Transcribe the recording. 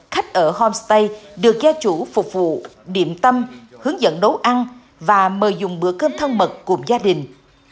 khách ở homestay được gia chủ phục vụ điểm tâm hướng dẫn nấu ăn và mời dùng bữa cơm thân mật cùng gia đình